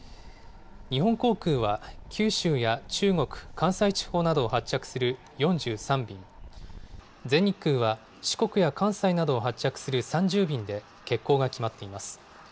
日本航空は九州や中国、関西地方などを発着する４３便、全日空は四国や関西などを発着する３０便で欠航が決まっています。